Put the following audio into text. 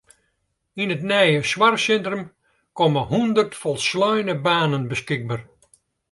Yn it nije soarchsintrum komme hûndert folsleine banen beskikber.